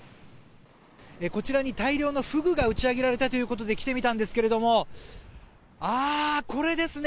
こちらに大量のフグが打ち揚げられたということで来てみたんですがああ、これですね。